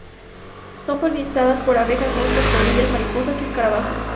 Son polinizadas por abejas, moscas, polillas, mariposas y escarabajos.